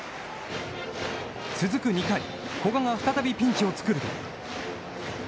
続く２回、古賀が再びピンチを作ると。